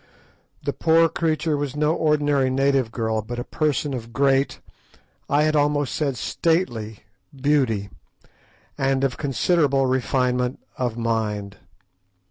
The poor creature was no ordinary native girl, but a person of great, I had almost said stately, beauty, and of considerable refinement of mind.